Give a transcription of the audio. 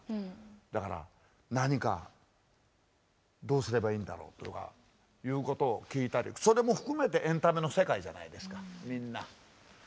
だから何かどうすればいいんだろう？とかいうことを聞いたりそれも含めてエンタメの世界じゃないですかみんな。